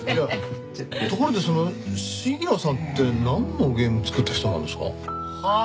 ところでその鴫野さんってなんのゲーム作った人なんですか？はあ！？